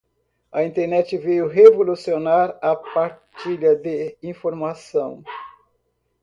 A Internet veio revolucionar a partilha de informação.